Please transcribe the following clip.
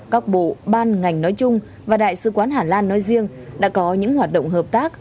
các bộ ban ngành nói chung và đại sứ quán hà lan nói riêng đã có những hoạt động hợp tác